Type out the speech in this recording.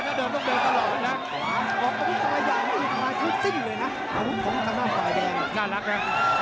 สิ้นอยู่เลยนะอาวุธของคำน้ำฝ่ายแดงน่ารักนะ